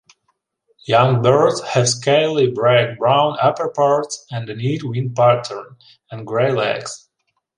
Young birds have scaly black-brown upperparts and a neat wing pattern, and grey legs.